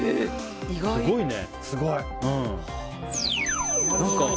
すごいね。